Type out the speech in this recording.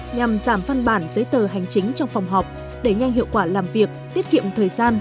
nhằm giảm văn bản giấy tờ hành chính trong phòng họp đẩy nhanh hiệu quả làm việc tiết kiệm thời gian